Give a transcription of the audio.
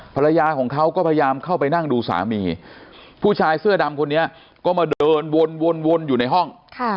ภรรยาของเขาก็พยายามเข้าไปนั่งดูสามีผู้ชายเสื้อดำคนนี้ก็มาเดินวนอยู่ในห้อง